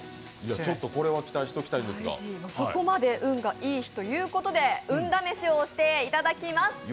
そこまで運がいい日ということで運試しをしていただきます。